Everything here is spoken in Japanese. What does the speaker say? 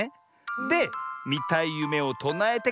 でみたいゆめをとなえてからめをつむる。